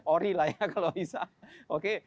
ori lah ya kalau bisa oke